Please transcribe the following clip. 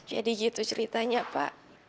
jadi gitu ceritanya pak